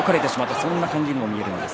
そんな感じにも見えます。